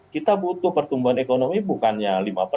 kita butuh pertumbuhan ekonomi bukannya lima